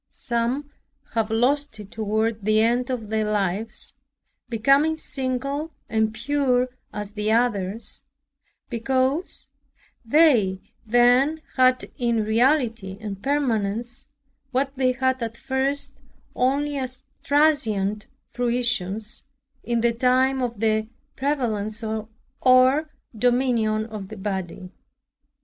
Some have lost it toward the end of their lives, becoming single and pure as the others, because they then had in reality and permanence what they had at first only as transient fruitions, in the time of the prevalence or dominion of the body.